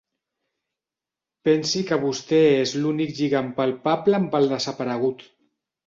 Pensi que vostè és l'únic lligam palpable amb el desaparegut.